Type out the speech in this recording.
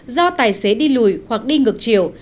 do tài xế đi lùi hoặc đi ngược chiều